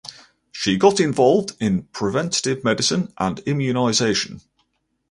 She got involved in preventive medicine and immunization.